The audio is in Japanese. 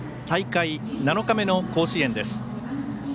大会７日目の甲子園です。